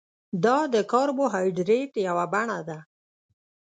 دا د کاربوهایډریټ یوه بڼه ده